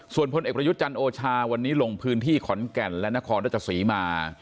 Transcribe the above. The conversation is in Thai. ส่วนพลเอกประยุทธ์จันทร์โอชาวันนี้ลงพื้นที่ขอนแก่นและนครราชสีมา